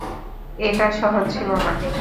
এটা সহজ ছিল না।